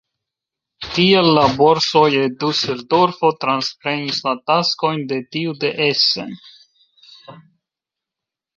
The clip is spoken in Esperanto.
Tiel la borso je Duseldorfo transprenis la taskojn de tiu de Essen.